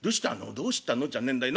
「どうしたのじゃねんだよ。